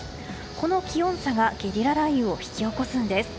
この気温差がゲリラ雷雨を引き起こすんです。